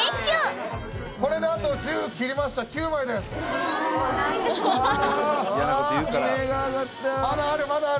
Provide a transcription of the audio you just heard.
これであと１０切りました９枚ですあるある